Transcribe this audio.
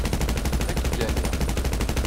Ad k-gganiɣ.